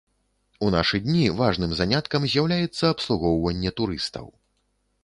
У нашы дні важным заняткам з'яўляецца абслугоўванне турыстаў.